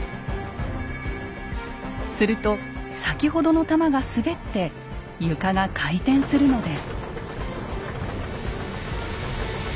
すると先ほどの玉が滑って床が回転するのです。